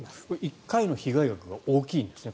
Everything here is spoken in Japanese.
１回の被害額が大きいんですね。